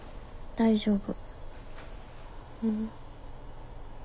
大丈夫。